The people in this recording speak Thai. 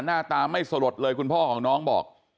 หน้าตาไม่สลดเลยคุณพ่อของน้องบอก